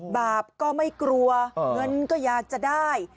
บาปก็ไม่กลัวเงินก็อยากจะได้